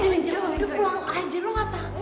jalan jalan uang aja lu gak tahu